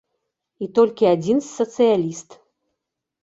І толькі адзін сацыяліст.